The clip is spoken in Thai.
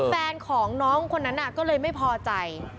แฟนของน้องคนนั้นก็เลยไม่พอใจ